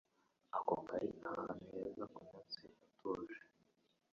Ako kari ahantu heza kumunsi utuje.